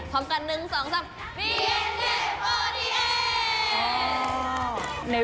พร้อมกัน๑๒๓